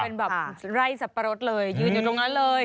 เป็นแบบไร่สับปะรดเลยยืนอยู่ตรงนั้นเลย